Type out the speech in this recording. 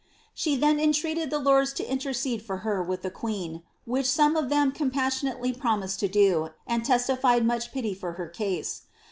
She then entreated the lords to intercede for her with the queen, which some of them compassion ately promised to do, and testified much pity for her case.